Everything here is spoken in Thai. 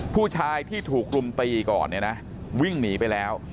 ผู้ชายที่ถูกกลุ่มตีก่อนนะวิ่งหนีไปแล้ว